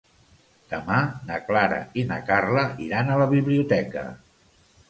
Demà na Clara i na Carla iran a la biblioteca.